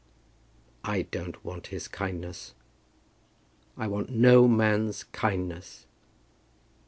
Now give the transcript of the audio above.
"I don't want his kindness. I want no man's kindness.